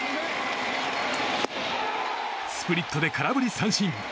スプリットで空振り三振。